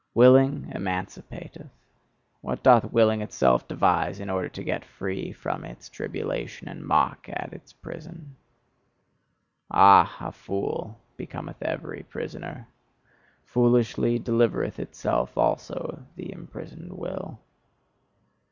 Willing emancipateth: what doth Willing itself devise in order to get free from its tribulation and mock at its prison? Ah, a fool becometh every prisoner! Foolishly delivereth itself also the imprisoned Will.